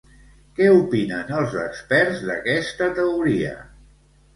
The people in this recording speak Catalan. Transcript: Què opinen els experts d'aquesta teoria?